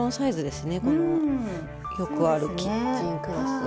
このよくあるキッチンクロスが。